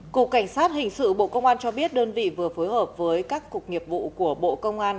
cục cảnh sát hình sự bộ công an cho biết đơn vị vừa phối hợp với các cục nghiệp vụ của bộ công an